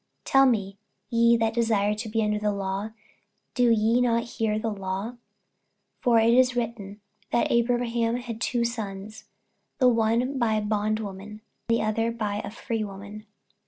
48:004:021 Tell me, ye that desire to be under the law, do ye not hear the law? 48:004:022 For it is written, that Abraham had two sons, the one by a bondmaid, the other by a freewoman.